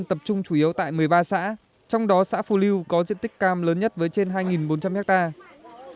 tập trung chủ yếu tại một mươi ba xã trong đó xã phù lưu có diện tích cam lớn nhất với trên hai bốn trăm linh hectare